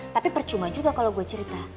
tapi percuma juga kalau gue cerita